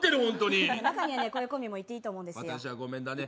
中にはこういうコンビもいていいと思うんです。